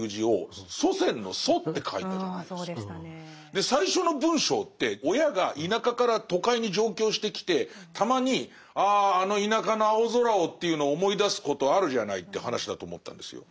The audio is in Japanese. で最初の文章って親が田舎から都会に上京してきてたまにああの田舎の青空をというのを思い出すことあるじゃないって話だと思ったんですよ。